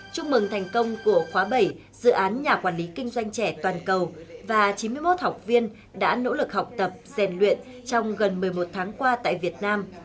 chúc mừng thành công của khóa bảy dự án nhà quản lý kinh doanh trẻ toàn cầu và chín mươi một học viên đã nỗ lực học tập rèn luyện trong gần một mươi một tháng qua tại việt nam